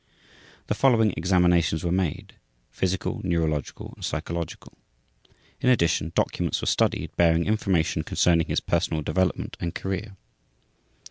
The following examinations were made: physical, neurological, and psychological. In addition, documents were studied bearing information concerning his personal development and career.